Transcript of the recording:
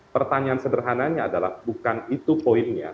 pertanyaan sederhananya adalah bukan itu poinnya